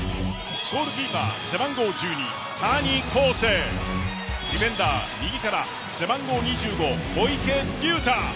ゴールキーパー背番号１２・谷晃生ディフェンダー、右から背番号２５・小池龍太